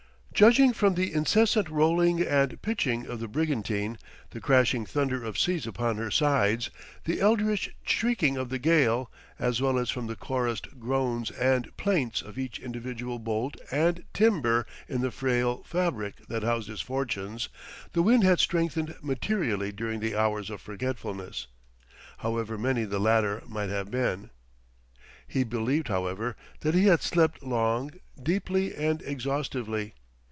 Judging from the incessant rolling and pitching of the brigantine, the crashing thunder of seas upon her sides, the eldrich shrieking of the gale, as well as from the chorused groans and plaints of each individual bolt and timber in the frail fabric that housed his fortunes, the wind had strengthened materially during his hours of forgetfulness however many the latter might have been. He believed, however, that he had slept long, deeply and exhaustively.